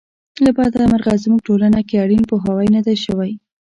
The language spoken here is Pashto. له بده مرغه زموږ ټولنه کې اړین پوهاوی نه دی شوی.